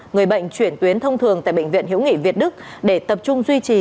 người bệnh chuyển tuyến thông thường tại bệnh viện hiếu nghị việt đức để tập trung duy trì